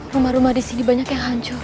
rumah rumah di sini banyak yang hancur